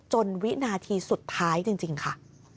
วินาทีสุดท้ายจริงค่ะ